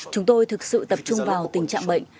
chúng tôi thực sự tập trung vào tình trạng bệnh